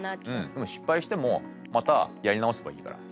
でも失敗してもまたやり直せばいいから。